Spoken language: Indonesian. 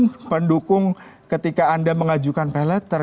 dan pendukung ketika anda mengajukan pay later